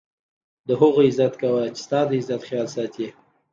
د هغو عزت کوه، چي ستا دعزت خیال ساتي.